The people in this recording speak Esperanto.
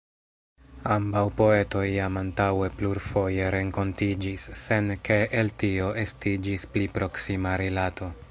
Ambaŭ poetoj jam antaŭe plurfoje renkontiĝis, sen ke el tio estiĝis pli proksima rilato.